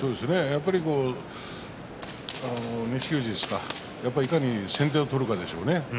やっぱり錦富士ですかいかに先手を取るかでしょうね。